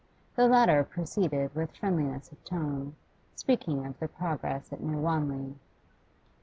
The latter proceeded with friendliness of tone, speaking of the progress of New Wanley.